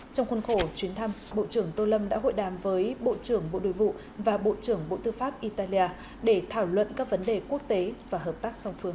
trong khuôn khổ chuyến thăm bộ trưởng tô lâm đã hội đàm với bộ trưởng bộ nội vụ và bộ trưởng bộ tư pháp italia để thảo luận các vấn đề quốc tế và hợp tác song phương